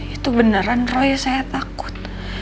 itu beneran roy saya takut